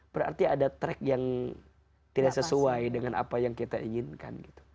berarti ada track yang tidak sesuai dengan apa yang kita inginkan